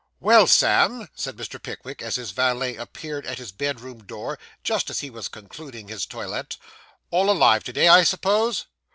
'Well, Sam,' said Mr. Pickwick, as his valet appeared at his bedroom door, just as he was concluding his toilet; 'all alive to day, I suppose?